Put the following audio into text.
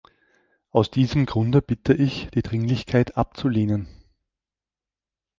Aus diesem Grunde bitte ich, die Dringlichkeit abzulehnen.